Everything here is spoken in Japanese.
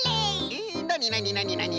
えっなになになになに？